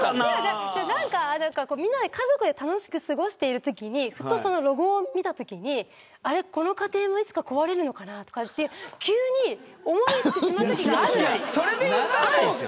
みんな家族で楽しく過ごしているときにふと、そのロゴを見たときにこの家庭もいつか壊れるのかなって急に思ってしまうときがあるんです。